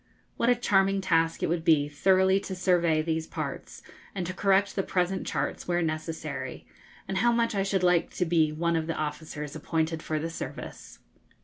What a charming task it would be thoroughly to survey these parts, and to correct the present charts where necessary, and how much I should like to be one of the officers appointed for the service!